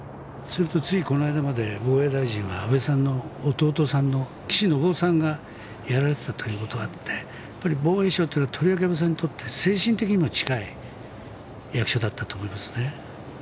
それと、ついこの間まで防衛大臣は安倍さんの弟さんの岸信夫さんがやられていたということがあってやっぱり防衛省というのはとりわけ安倍さんにとっても精神的に近い役所だったと思いますね。